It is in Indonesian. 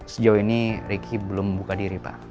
sejauh ini ricky belum buka diri pak